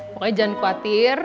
pokoknya jangan khawatir